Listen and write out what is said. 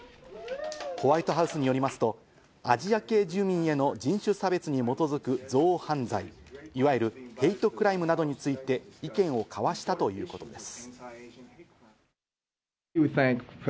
ホワイトハウスによりますと、アジア系住民への人種差別に基づく憎悪犯罪、いわゆるヘイトクライムなどについて意見を交わしたということです。